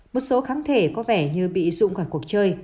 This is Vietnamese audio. một số kháng thể có vẻ như bị dụng khỏi cuộc chơi